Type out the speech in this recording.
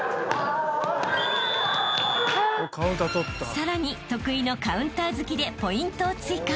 ［さらに得意のカウンター突きでポイントを追加］